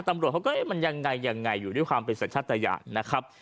ตำรวจเขาก็เอ๊ะมันยังไงยังไงอยู่ด้วยความเป็นสัญชาติยานนะครับ